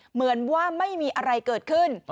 เหมือนว่าไม่มีอะไรเกิดขึ้น